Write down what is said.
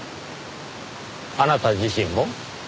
あなた自身も？